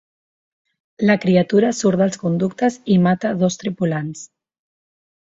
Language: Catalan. La criatura surt dels conductes i mata dos tripulants.